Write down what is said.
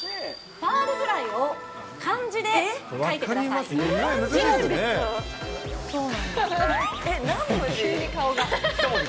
ファウルフライを漢字で書い２文字？